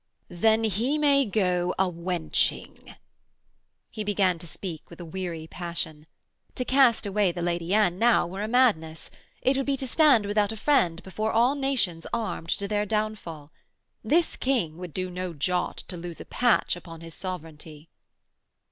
'Then he may go a wenching.' He began to speak with a weary passion. To cast away the Lady Anne now were a madness. It would be to stand without a friend before all nations armed to their downfall. This King would do no jot to lose a patch upon his sovereignty.